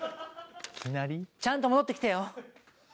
ちゃんと戻ってきてよ。